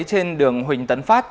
trên đường huỳnh tấn phát